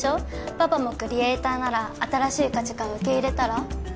パパもクリエイターなら新しい価値観受け入れたら？